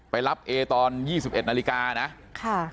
ไปรับเอตอน๒๑นาฬิกานะค่ะ